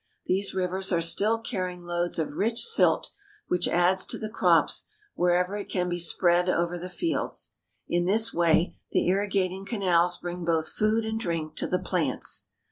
These rivers are still carrying loads of rich silt, which adds to the crops wherever it can be spread over the fields. In this way the irrigating canals bring both food and drink to the plants.